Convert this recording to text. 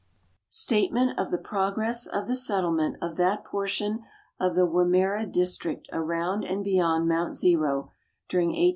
STATEMENT OF THE PROGRESS OP THE SETTLEMENT OF THAT PORTION OF THE WIMMERA DISTRICT AROUND AND BEYOND MOUNT ZERO, DURING 1843 4C.